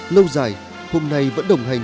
lâu dài hôm nay vẫn đồng hành